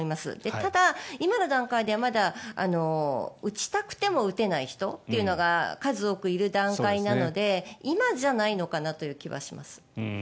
ただ、今の段階ではまだ打ちたくても打てない人が数多くいる段階なので今じゃないのかなという気はします。